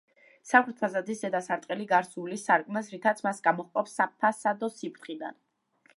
სამხრეთი ფასადის ზედა სარტყელი გარს უვლის სარკმელს, რითაც მას გამოჰყოფს საფასადო სიბრტყიდან.